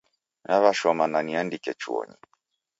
Naw'ashoma na niandike chuonyi.